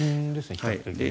比較的ね。